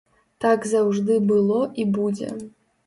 Так заўжды было і будзе.